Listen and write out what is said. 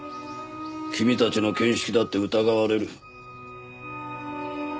君たちの見識だって疑われる。